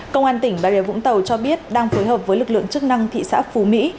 công an tỉnh bà rịa vũng tàu cho biết đang phối hợp với lực lượng chức năng thị xã phú mỹ